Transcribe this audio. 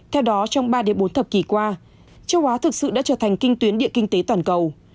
theo đó trong ba bốn thập kỷ qua châu á thực sự đã trở thành kinh tuyến địa kinh tế toàn cầu